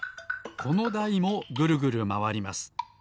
このだいもぐるぐるまわります。